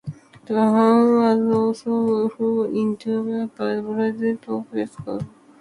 The hymn was also printed on leaflets in Genoa, by the printing office Casamara.